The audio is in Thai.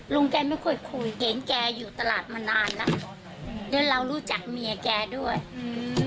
ลุงแกไม่ค่อยคุยเห็นแกอยู่ตลาดมานานแล้วแล้วเรารู้จักเมียแกด้วยอืม